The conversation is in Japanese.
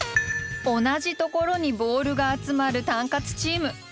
同じところにボールが集まるタンカツチーム。